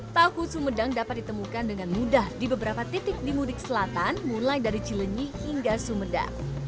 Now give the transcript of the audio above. tahu sumedang dapat ditemukan dengan mudah di beberapa titik di mudik selatan mulai dari cilenyi hingga sumedang